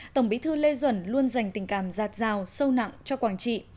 tổng bí thư lê duẩn luôn dành tình cảm giạt rào sâu nặng cho quảng trị